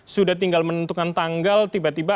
sudah tinggal menentukan tanggal tiba tiba